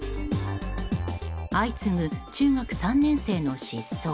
相次ぐ中学３年生の失踪。